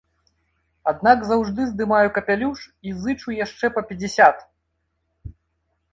Аднак заўжды здымаю капялюш і зычу яшчэ па пяцьдзясят!